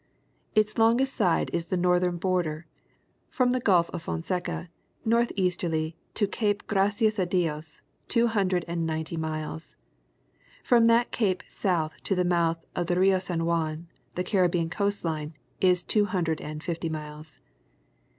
Its longest side is the northern border from the Gulf of Fon seca northeasterly to Cape Gracias a Dios, two hundred and ninety miles. From that cape south to the mouth of the Rio San Juan, the Caribbean coast line, is two hundred and fifty miles.